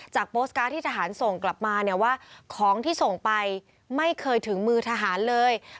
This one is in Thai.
โพสต์การ์ดที่ทหารส่งกลับมาเนี่ยว่าของที่ส่งไปไม่เคยถึงมือทหารเลย